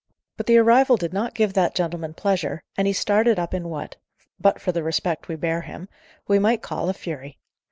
But the arrival did not give that gentleman pleasure, and he started up in what, but for the respect we bear him, we might call a fury.